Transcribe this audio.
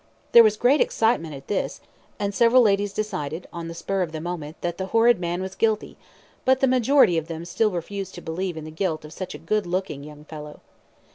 (There was great excitement at this, and several ladies decided, on the spur of the moment, that the horrid man was guilty, but the majority of them still refused to believe in the guilt of such a good looking young fellow.)